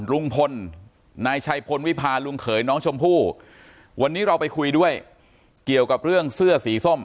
ลุงพลนายชัยพลวิพาลุงเขยน้องชมพู่วันนี้เราไปคุยด้วยเกี่ยวกับเรื่องเสื้อสีส้ม